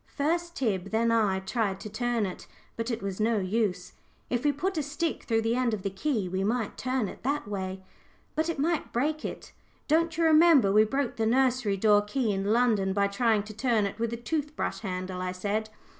First Tib, then I, tried to turn it, but it was no use. "If we put a stick through the end of the key, we might turn it that way." "But it might break it; don't you remember we broke the nursery door key in London by trying to turn it with a tooth brush handle?" I said.